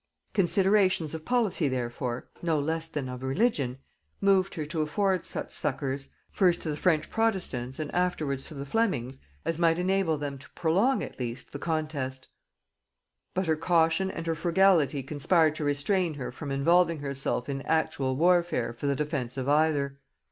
Considerations of policy therefore, no less than of religion, moved her to afford such succours, first to the French protestants and afterwards to the Flemings, as might enable them to prolong at least the contest; but her caution and her frugality conspired to restrain her from involving herself in actual warfare for the defence of either.